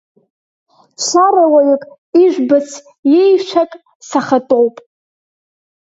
Чарауаҩык ижәбац, еишәак сахатәоуп.